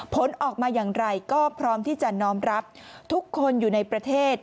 ผลออกมาอย่างไรก็พร้อมที่จะน้อมรับทุกคนอยู่ในประเทศ